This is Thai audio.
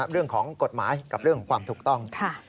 เรื่องของกฎหมายกับเรื่องของความถูกต้อง